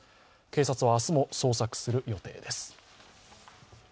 警察は明日も捜索する予定です。